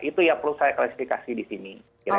itu yang perlu saya klasifikasi di sini